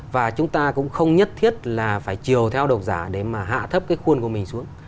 và chúng ta cũng không nhất thiết là phải chiều theo độc giả để mà hạ thấp cái khuôn của mình xuống